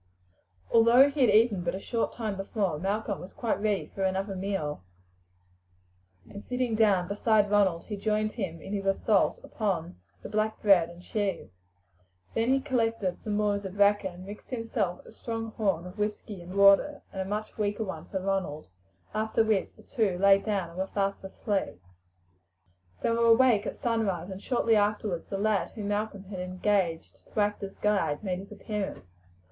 Although he had eaten but a short time before, Malcolm was quite ready for another meal, and sitting down beside Ronald he joined him in his assault upon the black bread and cheese. Then he collected some more of the bracken, mixed himself a strong horn of whiskey and water, and a much weaker one for Ronald, after which the two lay down and were fast asleep. They were awake at sunrise, and shortly afterwards the lad whom Malcolm had engaged to act as guide made his appearance.